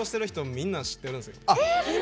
みんな知ってるんですよ。